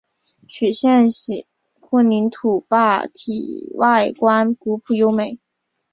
曲线形混凝土坝体外观古朴优美。